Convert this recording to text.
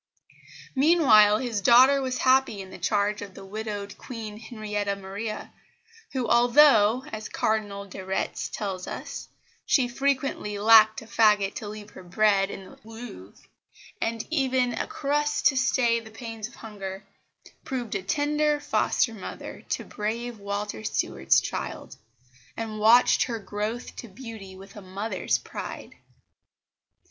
Meanwhile his daughter was happy in the charge of the widowed Queen Henrietta Maria, who although, as Cardinal de Retz tells us, she frequently "lacked a faggot to leave her bed in the Louvre," and even a crust to stay the pangs of hunger, proved a tender foster mother to brave Walter Stuart's child, and watched her growth to beauty with a mother's pride.